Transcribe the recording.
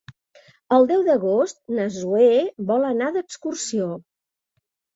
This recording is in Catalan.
El deu d'agost na Zoè vol anar d'excursió.